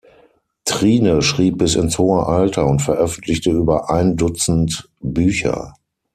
Trine schrieb bis ins hohe Alter und veröffentlichte über ein Dutzend Bücher.